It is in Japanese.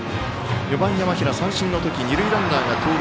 ４番、山平、三振の時二塁ランナーが盗塁。